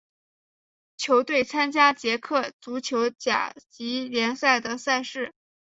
球队参加捷克足球甲级联赛的赛事。